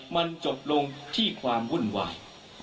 มันจบลงที่ความวุ่นวาย